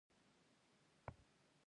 وګړي د افغانستان د صادراتو برخه ده.